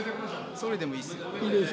総理でもいいです。